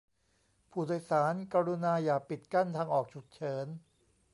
ผู้โดยสารกรุณาอย่าปิดกั้นทางออกฉุกเฉิน